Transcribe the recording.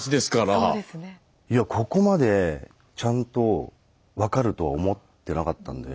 いやここまでちゃんと分かるとは思ってなかったんで。